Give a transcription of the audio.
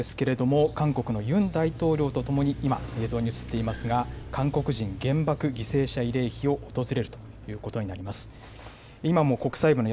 岸田総理大臣、このあとですけれども、韓国のユン大統領とともに、今、映像に映っていますが、韓国人原爆犠牲者慰霊碑を訪れるということになります。